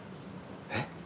えっ！？